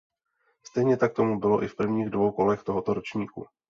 Stejně tak tomu bylo i v prvních dvou kolech tohoto ročníku.